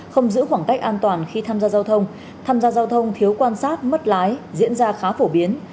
không giữ khoảng cách an toàn khi tham gia giao thông tham gia giao thông thiếu quan sát mất lái diễn ra khá phổ biến